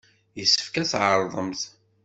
Yessefk ad tɛerḍemt!